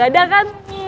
gak ada kan